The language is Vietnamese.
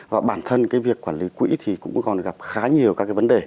và bản thân việc quản lý quỹ cũng còn gặp khá nhiều các vấn đề